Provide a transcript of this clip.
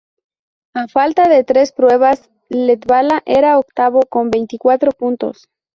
A falta de tres pruebas Latvala era octavo con veinticuatro puntos.